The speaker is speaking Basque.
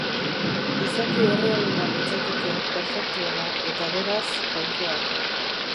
Izaki errealena litzateke, perfektuena, eta beraz, jainkoa.